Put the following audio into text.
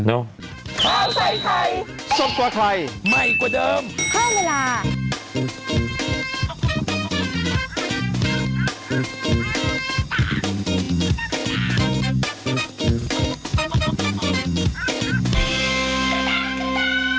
ก็จบแล้วละหลานหนึ่ง